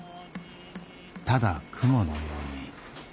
ただ雲のように。